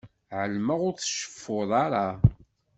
Ԑelmeɣ ur tceffuḍ ara.